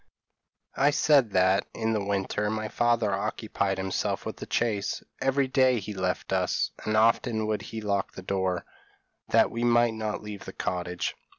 p> "I said that, in the winter, my father occupied himself with the chase; every day he left us, and often would he lock the door, that we might not leave the cottage.